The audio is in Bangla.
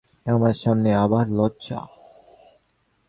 আমার সামনে আবার লজ্জা!